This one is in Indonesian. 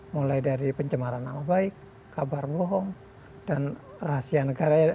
mulai dari pencemaran nama baik kabar bohong dan rahasia negara